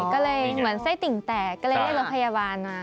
ก็เลยเหมือนไส้ติ่งแตกก็เลยได้รถพยาบาลมา